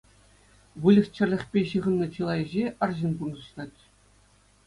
Выльӑх-чӗрлӗхпе ҫыхӑннӑ чылай ӗҫе арҫын пурнӑҫлать.